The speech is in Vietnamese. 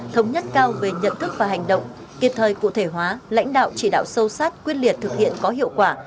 thống nhất cao về nhận thức và hành động kịp thời cụ thể hóa lãnh đạo chỉ đạo sâu sát quyết liệt thực hiện có hiệu quả